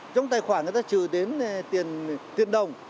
trong tài khoản người ta trừ đến tiền đồng